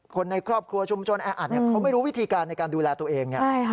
คนในครอบครัวชุมชนแออัดเขาไม่รู้วิธีการในการดูแลตัวเอง